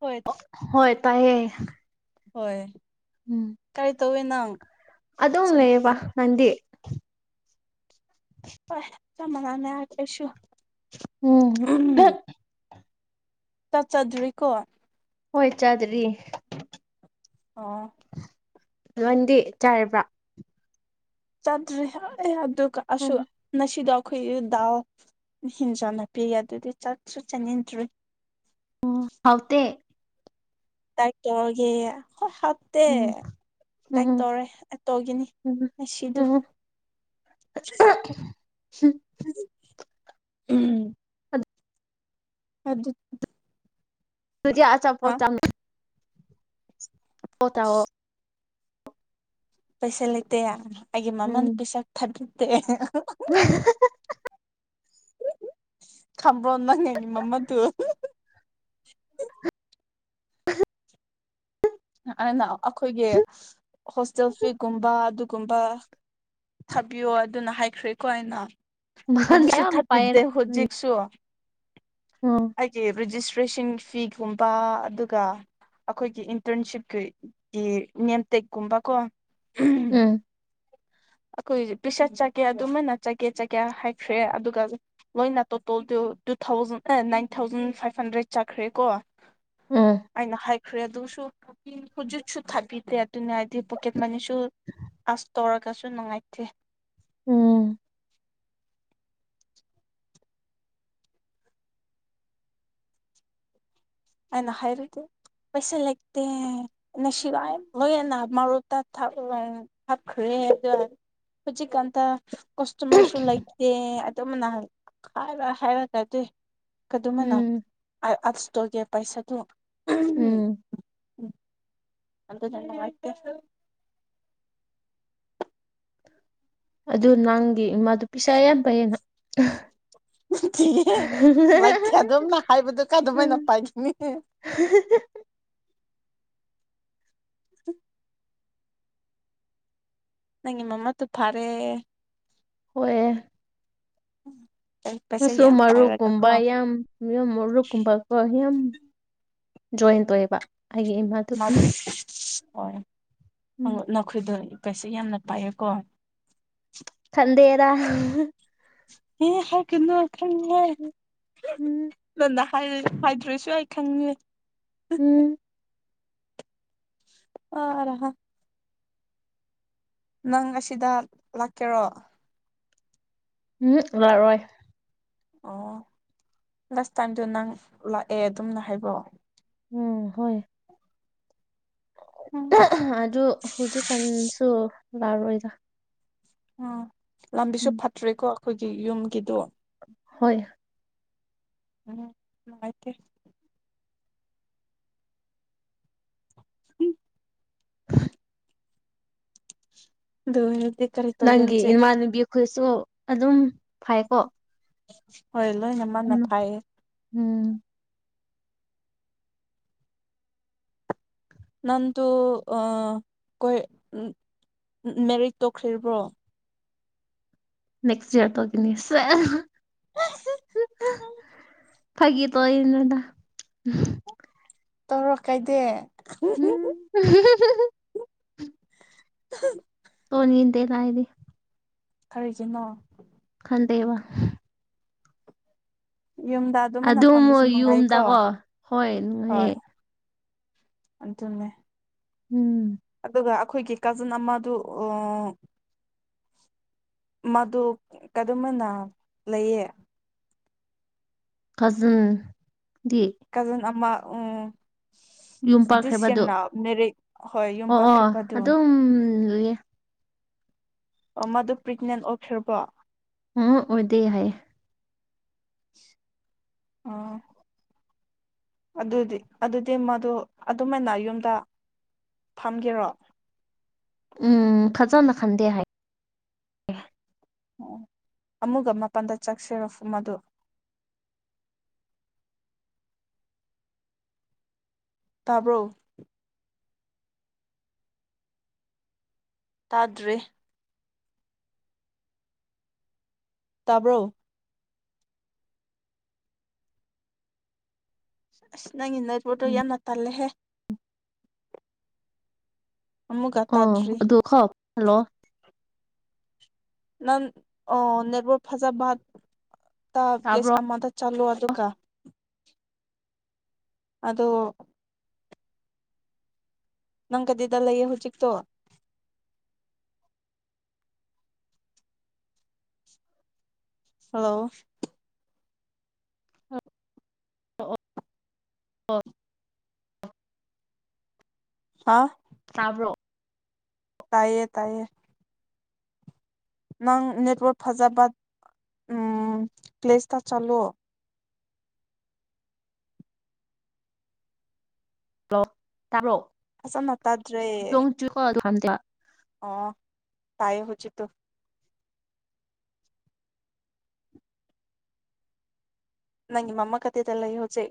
ꯍꯣꯏ ꯍꯣꯏ ꯇꯥꯌꯦ ꯍꯣꯏ ꯎꯝ ꯇꯧꯋꯦꯅꯪ ꯑꯗꯨꯝ ꯂꯩꯌꯦꯕ ꯅꯟꯗꯤ ꯍꯣꯏ ꯆꯞ ꯃꯅꯥꯅꯦ ꯍꯥꯏꯁꯨ ꯎꯝ ꯆꯠ ꯆꯗ꯭ꯔꯤꯀꯣ ꯍꯣꯏ ꯆꯥꯗ꯭ꯔꯤ ꯑꯣ ꯂꯣꯟꯗꯤ ꯆꯥꯔꯕ꯭ꯔꯥ ꯆꯗ꯭ꯔꯤ ꯑꯦ ꯑꯗꯨꯒ ꯑꯁꯨ ꯎꯝ ꯅꯁꯤꯗꯣ ꯑꯩꯈꯣꯏ ꯗꯥꯎ ꯍꯦꯟꯖꯟꯅꯄꯤ ꯑꯗꯨꯗꯤ ꯆꯥꯛꯁꯨ ꯆꯥꯅꯤꯡꯗ꯭ꯔꯔꯤ ꯎꯝ ꯍꯥꯎꯇꯦ ꯇꯥꯏ [unintelligible] ꯇ ꯍꯒꯦ ꯍꯣꯏ ꯍꯥꯎꯇꯦ ꯎꯝ ꯗꯥꯏ ꯎꯝ ꯇꯧꯔꯦ ꯇꯧꯒꯤꯅꯤ ꯎꯝ ꯉꯁꯤꯗꯨ ꯎꯝ ꯎꯝ ꯑꯗꯨꯗ ꯑꯗꯨꯗꯤ ꯑꯆꯥ ꯄꯣ ꯄ ꯇꯑꯣꯣ ꯄꯩꯁꯥ ꯂꯩ ꯂꯩꯇꯦꯌꯥ ꯍꯥꯏꯦ ꯎꯝ ꯃꯃꯅ ꯄꯩꯁꯥ ꯊꯗꯇꯦ ꯈꯝꯕꯔꯣ ꯅꯅꯤ ꯃꯃ ꯇꯨ ꯑꯩꯅ ꯑꯩꯈꯣꯏꯒꯤ ꯍꯣꯁꯇꯦꯜ ꯐꯤꯒꯨꯝꯕ ꯨꯝꯕ ꯊꯥꯕꯤꯌꯣ ꯑꯗꯨꯅ ꯍꯥꯏꯈ꯭ꯔꯦꯀꯣ ꯑꯩꯅ ꯃꯥꯟ ꯑꯗꯨꯁꯨ ꯌꯥꯝ ꯊꯥꯕꯤꯗꯦ ꯄꯥꯏꯌꯦꯅ ꯍꯧꯖꯤꯛꯁꯨ ꯎꯝ ꯑꯩꯒꯤ ꯔꯦꯖꯤꯁꯇ꯭ꯔꯦꯁꯟ ꯐꯤꯒꯨꯝꯕ ꯑꯗꯨꯒ ꯑꯩꯈꯣꯏꯒꯤ ꯏꯟꯇꯔꯟꯁꯤꯞꯀꯤ ꯅꯦꯝꯇꯦꯛꯀꯨꯝꯕ ꯀꯣ ꯎꯝ ꯑꯩꯈꯣꯏ ꯄꯤꯁꯠ ꯆꯀꯦ ꯑꯗꯨꯃꯥꯏꯅ ꯆꯀꯦ ꯆꯀꯦ ꯍꯥꯏꯈ꯭ꯔꯦ ꯑꯗꯨꯒ ꯂꯣꯏꯅ ꯇꯣꯇꯣꯜꯗꯨ ꯇꯨ ꯊꯥꯎꯖꯟ ꯑꯦ ꯅꯥꯏꯟ ꯊꯥꯎꯖꯟ ꯐꯥꯏꯚ ꯍꯟꯗ꯭ꯔꯦꯠ ꯆꯠꯈ꯭ꯔꯦ ꯀꯣ ꯎꯝ ꯑꯩꯅ ꯍꯥꯏꯈ꯭ꯔꯦ ꯑꯗꯨꯁꯨ ꯍꯧꯖꯤꯛꯁꯨ ꯊꯥꯕꯤꯗꯦ ꯑꯗꯨꯅ ꯍꯥꯏꯗꯤ ꯄꯣꯀꯦꯠ ꯃꯅꯤꯁꯨ ꯑꯥꯁ ꯇꯧꯔꯒꯁꯨ ꯅꯨꯡꯉꯥꯏꯇꯦ ꯎꯝ ꯑꯅ ꯍꯥꯏꯩꯔꯗꯤ ꯄꯩꯁꯥ ꯂꯩꯇ ꯅ ꯁꯤꯋꯥꯥꯏꯅ ꯃꯔꯨ ꯇ ꯊ ꯎ ꯊꯞꯈ꯭ꯔꯦ ꯈꯨꯖꯤꯛꯇ ꯀꯁꯇꯃꯔꯁꯨ ꯂꯩꯇꯦ ꯑꯗꯨꯝ ꯅꯍꯥꯟ ꯍꯥꯏꯔ ꯍꯥꯏꯔꯒꯗꯦ ꯀꯃꯥꯏꯅ ꯎꯝ ꯑꯁꯇꯒꯦ ꯄꯩꯁꯥꯗꯨ ꯎꯝ ꯑꯗ ꯆꯇꯦ ꯑꯗꯨ ꯅꯪꯒꯤ ꯏꯃꯥꯗꯨ ꯄꯩꯤꯁꯥ ꯑꯌꯥꯝꯕꯌꯦꯅ ꯤ ꯂꯩꯇꯦ ꯑꯗꯨꯝꯅ ꯍꯥꯏꯕꯗꯨ ꯀ ꯑꯗꯨꯃꯥꯏꯅ ꯄꯥꯏꯅꯤꯡꯅꯤ [unintelligible] [unintelligible] ꯅꯪ ꯏꯃꯃ ꯇꯨ ꯐꯔꯦ ꯍꯣꯏ ꯄꯩꯁꯥ ꯃꯆꯁꯨ ꯌꯥꯝ ꯄꯥꯏꯔꯒꯀꯣ ꯃꯔꯨꯒꯨꯝꯕ ꯌꯥꯝ ꯃꯨꯝ ꯃꯔꯨꯞꯀꯨꯝꯕꯀꯣ ꯌꯥꯝ ꯖꯣꯏꯟ ꯇꯧꯑꯦꯕ ꯑꯩꯒꯤ ꯏꯃꯥꯗꯨ ꯃꯥꯗꯨ ꯎꯝ ꯍꯣꯏ ꯅꯈꯣꯏꯗꯣ ꯀꯩꯁꯨ ꯌꯥꯝꯅ ꯄꯥꯏꯑꯀꯣ ꯊꯗꯦꯗ ꯍ ꯍ ꯀꯣꯈꯪ ꯎꯝ ꯅꯗꯥ ꯐꯩꯗ꯭ꯔꯁꯨ ꯑꯩ ꯈꯪꯉꯦ ꯎꯝ ꯑꯔꯍꯥ ꯅꯪ ꯑꯁꯤꯗ ꯂꯥꯛꯀꯦꯔꯣ ꯎꯝ ꯂꯔꯣꯏ ꯑꯣ ꯂꯥꯁ ꯇꯥꯏꯝꯗꯣ ꯅꯪ ꯂꯥꯛꯑꯦ ꯑꯗꯨꯝꯅ ꯍꯥꯏꯕꯑꯣ ꯎꯝ ꯍꯣꯏ ꯎꯝ ꯑꯗꯨ ꯍꯧꯖꯤꯛ ꯀꯥꯟꯁꯨ ꯂꯥꯛꯔꯣꯏꯗ ꯎꯝ ꯂꯝꯕꯤꯁꯨ ꯎꯝ ꯐꯠꯇ꯭ꯔꯦꯀꯣ ꯑꯩꯈꯣꯏꯒꯤ ꯌꯨꯝꯒꯤꯗꯣ ꯍꯣꯏ ꯎꯝꯥꯏ ꯎꯝ ꯑꯗꯨ ꯍ ꯅꯪꯒꯤ ꯏꯃꯥꯟꯅꯕꯤ ꯑꯩꯈꯣꯏꯁꯨ ꯑꯗꯨꯝ ꯐꯩꯀꯣ ꯍꯣꯏ ꯂꯣꯏꯅꯃ ꯎꯝ ꯅꯐꯥꯏ ꯎꯝ ꯅꯪꯗꯨ ꯑ ꯀꯣꯏ ꯎ ꯃꯦꯔꯤꯠ ꯇꯧꯈ꯭ꯔꯤꯕ꯭ꯔꯣ ꯅꯦꯛꯁ ꯏꯌꯥꯔ ꯇꯧꯒꯅꯤ ꯎꯝ [unintelligible] ꯐꯒꯤ ꯇꯧ ꯏꯅꯤꯗ ꯇꯧꯔ ꯀꯥꯏꯗꯦ [unintelligible] ꯑ [unintelligible] ꯁꯣꯅꯤꯗꯦ ꯂꯥꯏꯗꯤ ꯀꯔꯤꯒꯤꯅꯣ ꯗꯦꯕ ꯌꯨꯝꯗ ꯑꯗꯨꯃꯅ ꯑꯗꯨꯝ ꯐꯝꯕꯁꯨ ꯅꯨꯡꯉꯥꯏꯀꯣ ꯌꯨꯝꯗꯀꯣ ꯍꯣꯏ ꯍꯣꯏ ꯅꯣꯏ ꯑꯗꯨꯅꯦ ꯎꯝ ꯑꯗꯨꯒ ꯑꯩꯈꯣꯏꯒꯤ ꯀꯥꯖꯤꯟ ꯑꯃꯗꯨ ꯃꯗꯨ ꯀꯗꯃꯅ ꯂꯩꯌꯦ ꯀꯥꯖꯤꯟ ꯀꯥꯖꯤꯟ ꯑꯃ ꯎꯝ ꯌꯨꯝ ꯄꯥꯟꯈ꯭ꯔꯦꯕ ꯑꯗꯨ ꯗꯤꯁꯤꯌꯅ ꯃꯦꯔꯦ ꯍꯣꯏ ꯌꯨꯝ ꯑꯣ ꯑꯣ ꯄꯥꯈ꯭ꯔꯦꯕ ꯑꯗꯨ ꯑꯗꯨꯝ [unintelligible] ꯃꯥꯗꯣ ꯄ꯭ꯔꯦꯒꯅꯦꯟ ꯑꯣꯏꯈ꯭ꯔꯕꯣ ꯍꯨꯝ ꯑꯣꯗꯤ ꯍꯥꯏ ꯑꯣ ꯑꯗꯨꯗꯤ ꯑꯗꯨꯗꯤ ꯃꯗꯨ ꯑꯗꯨꯝꯥꯏꯅ ꯌꯨꯝꯗ ꯊꯝꯒꯦꯔꯣ ꯎꯝ ꯈꯖꯅ ꯈꯟꯗꯦ ꯍꯥꯏ ꯑꯣ ꯑꯃꯒ ꯃꯥꯄꯜꯗ ꯆꯠꯁꯤꯔꯣ ꯃꯗꯨ ꯇꯥꯕ꯭ꯔꯣ ꯇꯥꯗ꯭ꯔꯤ ꯇꯥꯕ꯭ꯔꯣ ꯑꯁ ꯅꯪꯒꯤ ꯅꯦꯠꯋꯥꯛꯇꯣ ꯎꯝ ꯌꯥꯝꯅ ꯇꯜꯂꯦꯍꯦ꯫ ꯑꯃꯨꯛꯀ ꯑ ꯇꯥꯗ꯭ꯔꯤ ꯑꯗꯨ ꯈꯥꯎ ꯍꯜꯂꯣ ꯅꯪ ꯑꯣ ꯅꯦꯠꯋꯥꯛ ꯐꯖꯥꯕ ꯄ꯭ꯂꯦꯁ ꯇꯥꯕ꯭ꯔꯣ ꯑꯃꯗ ꯆꯜꯂꯨ ꯑꯗꯣ ꯅꯪ ꯀꯗꯤꯗ ꯂꯩꯌꯦ ꯍꯧꯖꯤꯛꯇꯣ ꯍꯜꯂꯣ ꯑꯥꯖꯤꯌ ꯇꯥꯕ꯭ꯔꯣ ꯇꯥꯏꯌꯦ ꯇꯥꯏꯌꯦ ꯅꯪ ꯅꯦꯠꯋꯥꯛ ꯐꯖꯥꯕ ꯄ꯭ꯂꯦꯁꯇ ꯆꯠꯂꯣ ꯍꯜꯂꯣ ꯇꯥꯕꯔꯣ ꯐꯖꯅ ꯇꯥꯗ꯭ꯔꯦ [unintelligible] ꯑꯣ ꯇꯥꯏꯌꯦ ꯍꯧꯖꯤꯛꯇꯣ ꯅꯪ ꯃꯥꯃꯥ ꯀꯗꯥꯏꯗ ꯂꯩ ꯍꯧꯖꯤꯛ